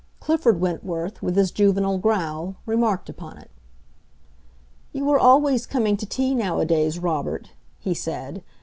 Clifford Wentworth, with his juvenile growl, remarked upon it. "You are always coming to tea nowadays, Robert," he said.